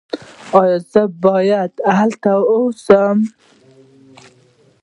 ایا زه باید هلته اوسم؟